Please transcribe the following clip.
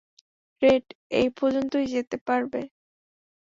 Red এই পর্যন্তই যেতে পারবে।